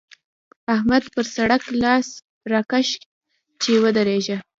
احمد پر سړک لاس راکړ چې ودرېږه!